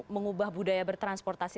mengubah budaya bertransportasi